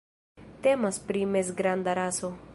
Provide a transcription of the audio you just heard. Temas pri mezgranda raso.